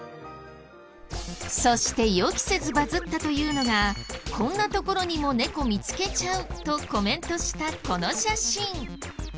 そして予期せずバズったというのが「こんなところにも猫見つけちゃう」とコメントしたこの写真。